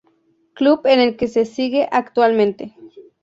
Club en el que sigue actualmente.